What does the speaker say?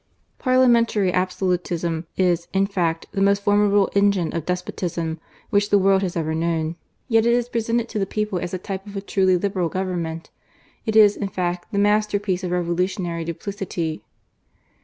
Parliamentary absolutism is, in fact, the most formidable engine of despotism which the world has ever known ; yet it is presented to the people as a type of a truly Liberal Government. It is, in fact, the master piece of revolutionary duplicity.